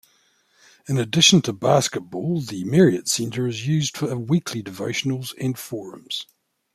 In addition to basketball, the Marriott Center is used for weekly devotionals and forums.